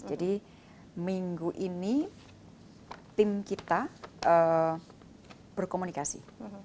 jadi minggu ini tim kita berkomunikasi